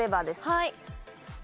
はい。